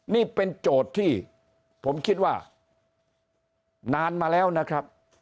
นี่เป็นโจทย์ที่ผมคิดว่านานมาแล้วนะครับ